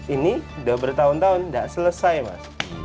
ini sudah bertahun tahun tidak selesai mas